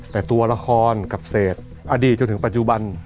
แต่ตัวละครกับเศษอดีตจนถึงปัจจุบัน